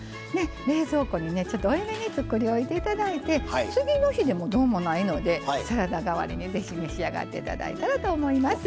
冷蔵庫に、ちょっと多めに作りおいていただいて次の日でも、どうもないのでサラダ代わりにぜひ召し上がっていただいたらと思います。